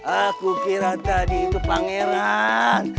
aku kira tadi itu pangeran